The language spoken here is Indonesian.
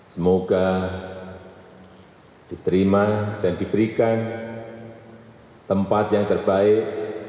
semoga diterima dan diberikan tempat yang terbaik